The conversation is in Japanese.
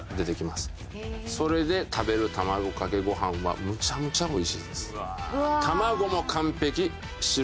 それで食べる卵かけご飯はむちゃむちゃ美味しいです。